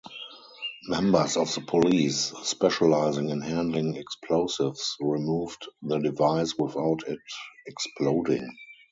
Members of the police specializing in handling explosives removed the device without it exploding.